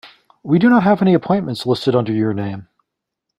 We do not have any appointments listed under your name.